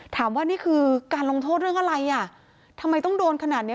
นี่คือการลงโทษเรื่องอะไรอ่ะทำไมต้องโดนขนาดนี้